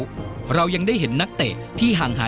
นอกจากนักเตะรุ่นใหม่จะเข้ามาเป็นตัวขับเคลื่อนทีมชาติไทยชุดนี้แล้ว